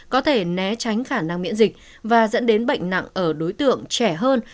có thể né tránh khả năng miễn dịch và dẫn đến bệnh nặng ở đối tượng trẻ hơn